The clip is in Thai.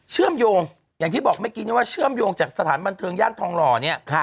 เชื่อมโยงอย่างที่บอกเมื่อกี้ว่าเชื่อมโยงจากสถานบันเทิงย่านทองหล่อเนี่ย